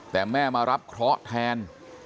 แต่แม่มารับเคราะห์แทน